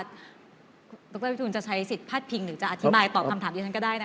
จะใช้สิทธิ์พัดพิงหรือจะอธิบายตอบคำถามที่ฉันก็ได้นะคะ